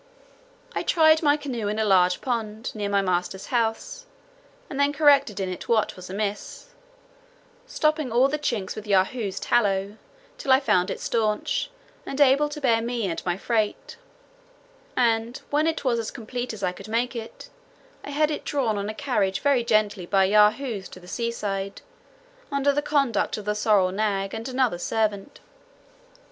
I tried my canoe in a large pond, near my master's house, and then corrected in it what was amiss; stopping all the chinks with Yahoos' tallow, till I found it staunch, and able to bear me and my freight; and, when it was as complete as I could possibly make it, I had it drawn on a carriage very gently by Yahoos to the sea side, under the conduct of the sorrel nag and another servant.